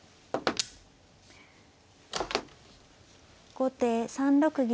後手３六銀。